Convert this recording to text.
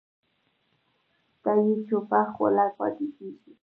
ستایي یې چوپه خوله پاتې کېږي